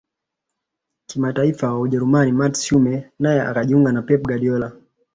kimataifa wa ujerumani mats hummels naye akajiunga na pep guardiola